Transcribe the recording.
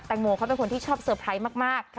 งโมเขาเป็นคนที่ชอบเซอร์ไพรส์มาก